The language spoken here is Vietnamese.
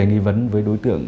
nghĩ vấn với đối tượng